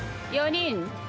４人？